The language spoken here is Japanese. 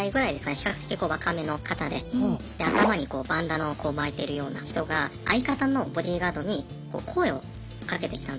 比較的若めの方で頭にこうバンダナをこう巻いてるような人が相方のボディーガードに声をかけてきたんですね。